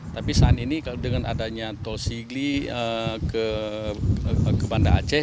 tapi saat ini dengan adanya tol sigli ke banda aceh